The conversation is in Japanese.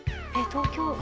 東京